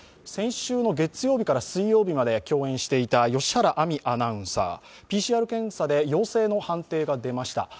先週の月曜日から水曜日まで共演していた良原安美アナウンサー、ＰＣＲ検査で陽性の判定が出ました。